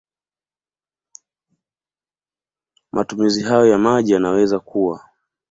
Matumizi hayo ya maji yanaweza kuwa